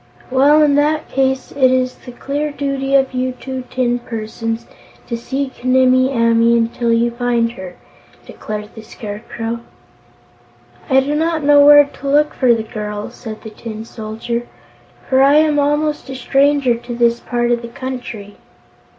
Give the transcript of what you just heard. "Well, in that case, it is the clear duty of you two tin persons to seek Nimmie Amee until you find her," declared the Scarecrow. "I do not know where to look for the girl," said the Tin Soldier, "for I am almost a stranger to this part of the country."